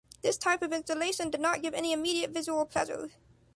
This type of installation did not give any immediate visual pleasure.